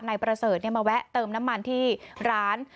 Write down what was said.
นายประเสริฐมาแวะเติมน้ำมันที่ร้าน